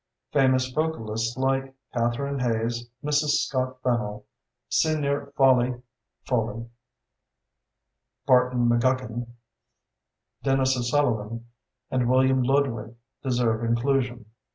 Famous vocalists like Catherine Hayes, Mrs. Scott Fennell, Signer Foli (Foley), Barton McGuckin, Denis O'Sullivan, and William Ludwig deserve inclusion.